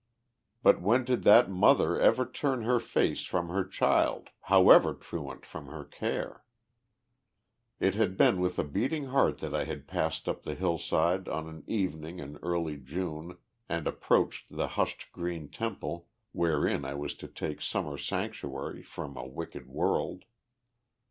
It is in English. But when did that mother ever turn her face from her child, however truant from her care? It had been with a beating heart that I had passed up the hillside on an evening in early June, and approached the hushed green temple, wherein I was to take Summer sanctuary from a wicked world.